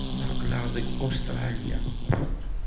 Aql-aɣ deg Ustṛalya.